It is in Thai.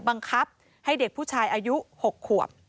บังคับให้เด็กผู้ชายอายุ๖ขวบ